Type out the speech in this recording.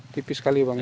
tipis sekali bang ya